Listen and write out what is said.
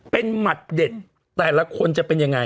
เป็นหมัดเด็ดแต่ละคนจะเป็นยังไง